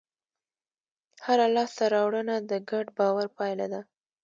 هره لاستهراوړنه د ګډ باور پایله ده.